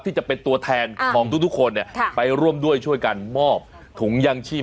ที่จะเป็นตัวแทนของทุกคนไปร่วมด้วยช่วยกันมอบถุงยังชีพ